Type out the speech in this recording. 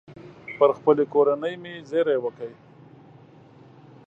پر خپلې کورنۍ مې زېری وکړ.